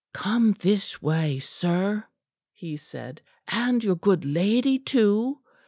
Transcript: "Come this way, sir," he said, "and your good lady, too."